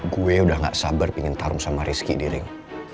gue udah gak sabar ingin tarung sama rizky di ring